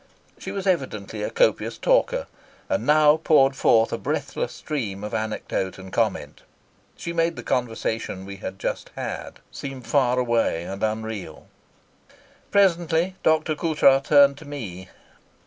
She was evidently a copious talker, and now poured forth a breathless stream of anecdote and comment. She made the conversation we had just had seem far away and unreal. Presently Dr. Coutras turned to me.